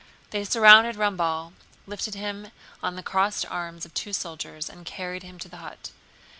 They surrounded Ramballe, lifted him on the crossed arms of two soldiers, and carried him to the hut.